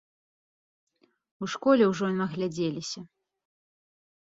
У школе ўжо наглядзеліся.